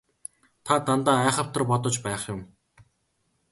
Та дандаа айхавтар бодож байх юм.